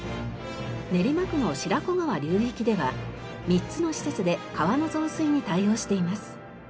練馬区の白子川流域では３つの施設で川の増水に対応しています。